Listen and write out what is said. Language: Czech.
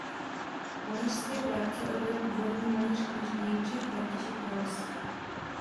Malířské práce odvedl dvorní malíř kněžny Jindřich František Krause.